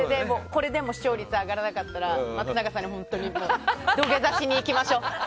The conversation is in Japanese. これでも視聴率上がらなかったら松永さんに土下座しに行きましょう。